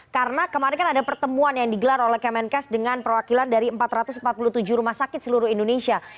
karena kemarin kan ada pertemuan yang digelar oleh kemenkes dengan perwakilan dari empat ratus empat puluh tujuh rumah sakit seluruh indonesia